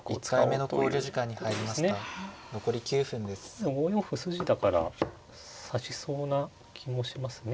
でも５四歩筋だから指しそうな気もしますね。